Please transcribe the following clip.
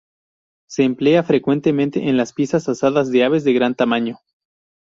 Se emplea frecuentemente en las piezas asadas de aves de gran tamaño.